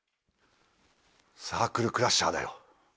サークルクラッシャーだよ。